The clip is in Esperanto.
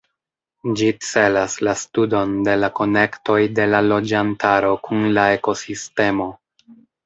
Ĝi celas la studon de la konektoj de la loĝantaro kun la ekosistemo.